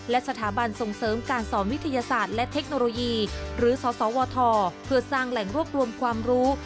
และสถาบันส่งเสริมการสอนวิทยาศาสตร์และเทคโนโลยีหรือสสวทเพื่อสร้างแหล่งรวบรวมความรู้